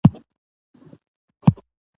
د مور او ماشوم روغتیا ته پام کیږي.